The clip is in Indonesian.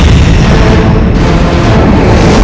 aku akan mencari penyelesaianmu